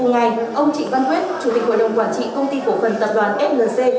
ngày ông trịnh văn quyết chủ tịch hội đồng quản trị công ty cổ phần tập đoàn flc